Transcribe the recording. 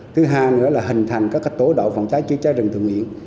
thứ hai nữa là hình thành các tố độ phòng cháy chữa cháy rừng tự nguyện